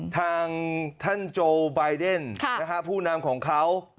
ทางท่านโจบายเดนผู้นำของเขา